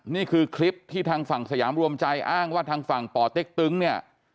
นี่คือคลิปที่ทางฝั่งสยามรวมใจอ้างว่าทางฝั่งป่อเต็กตึงเนี่ย